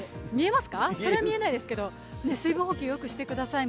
それは見えないですけど、水分補給をよくしてください。